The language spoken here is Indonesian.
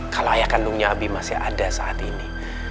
kalau ayah kandungnya abi masih ada saat ini